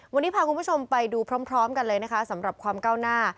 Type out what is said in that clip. วันนี้พาคุณผู้ชมไปดูพร้อมกันเลยนะคะสำหรับความก้าวหน้า